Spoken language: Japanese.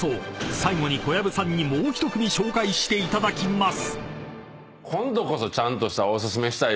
最後に小籔さんにもう１組紹介していただきます］